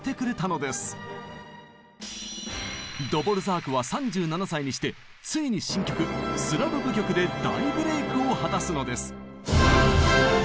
ドボルザークは３７歳にしてついに新曲「スラブ舞曲」で大ブレイクを果たすのです！